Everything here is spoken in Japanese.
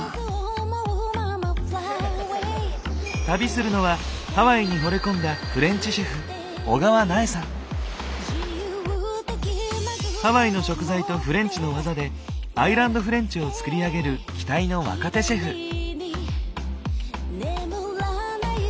旅するのはハワイにほれ込んだフレンチシェフハワイの食材とフレンチの技で「アイランドフレンチ」を作り上げる期待の若手シェフ。